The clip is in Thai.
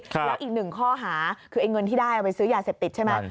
แล้วอีกหนึ่งข้อหาคือไอ้เงินที่ได้เอาไปซื้อยาเสพติดใช่ไหม